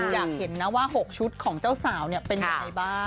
อยากเห็นนะว่า๖ชุดของเจ้าสาวเป็นยังไงบ้าง